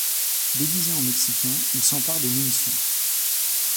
Déguisés en Mexicains, ils s'emparent des munitions.